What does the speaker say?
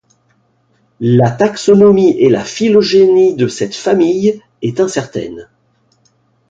La taxonimie et la phylogénie de cette famille est incertaine.